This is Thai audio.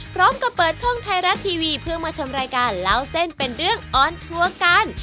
เปิดช่องไทยรัฐทีวีเพื่อมาชมรายการเล่าเส้นเป็นเรื่องออนทัวร์กัน